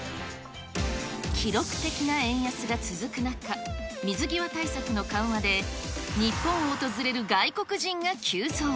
記録的な円安が続く中、水際対策の緩和で日本を訪れる外国人が急増。